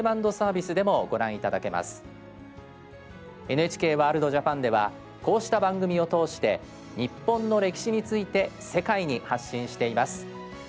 ＮＨＫワールドＪＡＰＡＮではこうした番組を通して日本の歴史について世界に発信しています。